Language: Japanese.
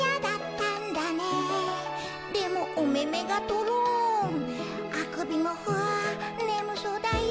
「でもおめめがトロンあくびもフワァねむそうだよ」